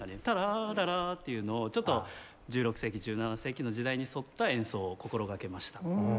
タラーララーっていうのをちょっと１６世紀１７世紀の時代に沿った演奏を心がけました。